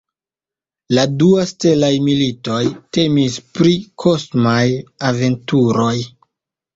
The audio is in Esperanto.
La dua ""Stelaj Militoj"" temis pri kosmaj aventuroj.